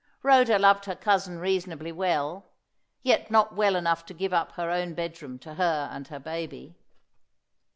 Rhoda loved her cousin reasonably well, yet not well enough to give up her own bedroom to her and her baby.